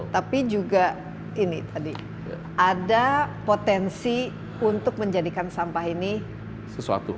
tapi juga ini tadi ada potensi untuk menjadikan sampah ini sesuatu